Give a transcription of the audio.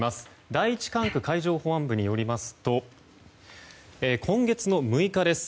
第１管区海上保安本部によりますと今月６日です。